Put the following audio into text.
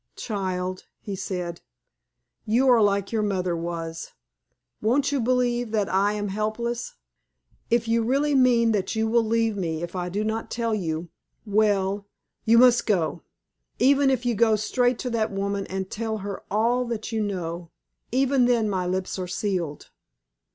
"Child," he said, "you are like your mother was. Won't you believe that I am helpless? If you really mean that you will leave me if I do not tell you, well, you must go. Even if you go straight to that woman and tell her all that you know even then my lips are sealed.